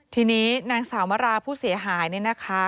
ทีนี้นางสาวมราผู้เสียหายเนี่ยนะคะ